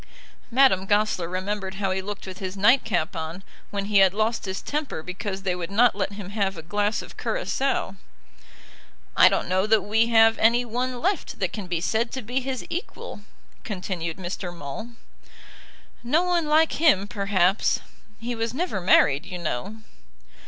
Madame Goesler remembered how he looked with his nightcap on, when he had lost his temper because they would not let him have a glass of curaçoa. "I don't know that we have any one left that can be said to be his equal," continued Mr. Maule. "No one like him, perhaps. He was never married, you know."